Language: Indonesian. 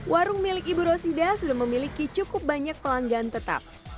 warung milik ibu rosida sudah memiliki cukup banyak pelanggan tetap